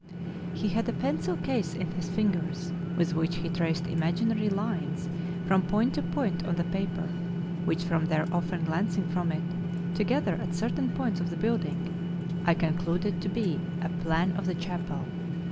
He had a pencil case in his fingers, with which he traced imaginary lines from point to point on the paper, which from their often glancing from it, together, at certain points of the building, I concluded to be a plan of the chapel.